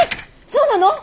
そうなの？